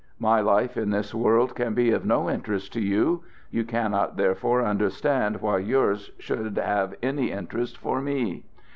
My life in this world can be of no interest to you. You cannot, therefore, understand why yours should have any interest for me.